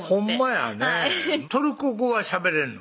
トルコ語はしゃべれんの？